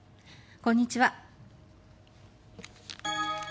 こんにちは。